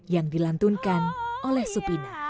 yang dilantunkan oleh supina